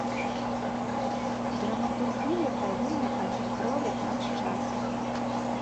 Драматургія павінна адлюстроўваць наш час.